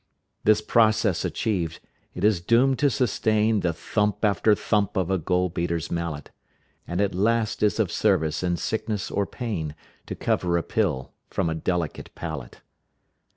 This process achiev'd, it is doom'd to sustain The thump after thump of a gold beater's mallet, And at last is of service in sickness or pain To cover a pill from a delicate palate.